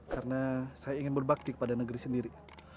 karena saya ingin berbakti kepada negeri sendiri